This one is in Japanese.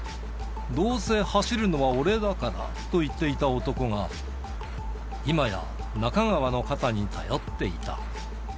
どうせ走るのは俺だからと言っていた男が、今や中川の肩に頼っていた。